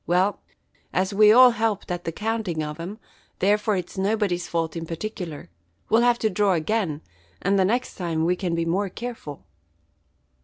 Well, as we all helped at the counting of 'em, therefore it's nobody's fault in particular. We'll have to draw again, and the next time we can be more careful."